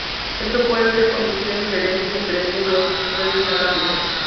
Esto puede conducir a interferencia entre estas dos redes inalámbricas.